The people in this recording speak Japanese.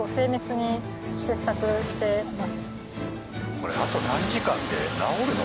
これあと何時間で直るの？